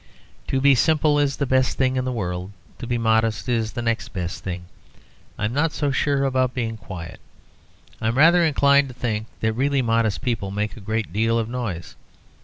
To be simple is the best thing in the world; to be modest is the next best thing. I am not so sure about being quiet. I am rather inclined to think that really modest people make a great deal of noise.